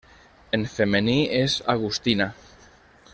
En femení és Agustina.